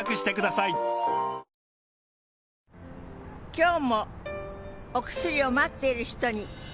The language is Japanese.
今日もお薬を待っている人に。